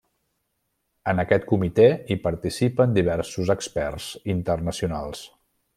En aquest comitè hi participen diversos experts internacionals.